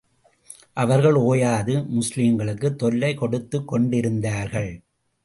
அவர்கள் ஓயாது, முஸ்லிம்களுக்குத் தொல்லை கொடுத்துக் கொண்டிருந்தார்கள்.